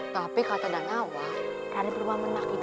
tapi kata danawa raden purwomenak itu punya tipu muslihat